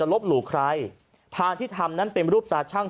ลบหลู่ใครพานที่ทำนั้นเป็นรูปตาช่าง